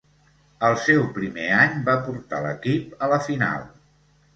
Al seu primer any va portar l'equip a la final.